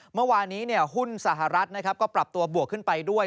เมื่อวานนี้หุ้นสหรัฐก็ปรับตัวบวกขึ้นไปด้วย